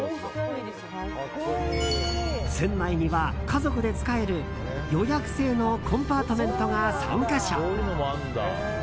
船内には、家族で使える予約制のコンパートメントが３か所。